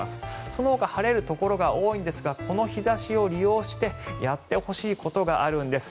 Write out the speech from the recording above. そのほか晴れるところが多いんですがこの日差しを利用してやってほしいことがあるんです。